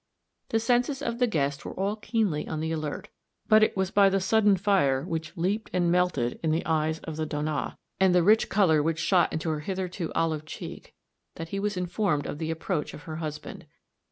The senses of the guest were all keenly on the alert; but it was by the sudden fire which leaped and melted in the eyes of the Donna, and the rich color which shot into her hitherto olive cheek, that he was informed of the approach of her husband.